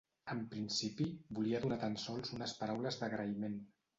En principi, volia donar tan sols unes paraules d'agraïment.